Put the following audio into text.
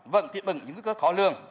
vẫn thiết bừng những nguy cơ khó lương